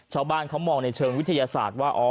ชาวบ้านเขามองในเชิงวิทยาศาสตร์ว่า